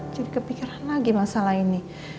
jadi kepikiran lagi masalah ini